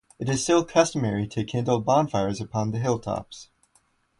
It is still customary to kindle bonfires upon the hilltops.